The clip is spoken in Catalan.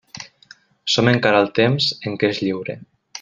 Som encara al temps en què és lliure.